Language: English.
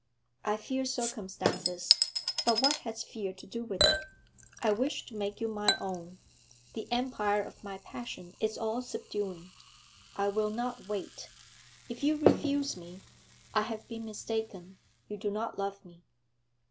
I fear circumstances; but what has fear to do with it; I wish to make you my own; the empire of my passion is all subduing. I will not wait! If you refuse me, I have been mistaken; you do not love me.'